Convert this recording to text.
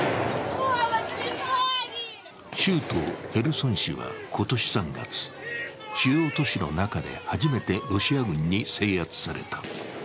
州都ヘルソン市は今年３月、主要都市の中で初めてロシア軍に制圧された。